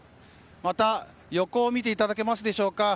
また、横を見ていただけますでしょうか。